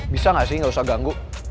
bisa gak sih gak usah ganggu